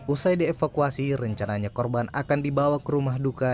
usai dievakuasi rencananya korban akan dibawa ke rumah duka